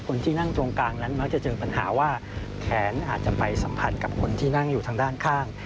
คนที่นั่งตรงกลางนั้นมักจะเจอปัญหาว่าแขนอาจจะไปสัมผัสกับคนที่นั่งอยู่ทางด้านข้าง